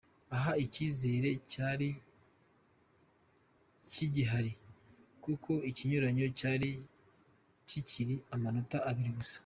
Aha icyizere cyari kigihari kuko ikinyuranyo cyari kikiri amanota abiri gusa.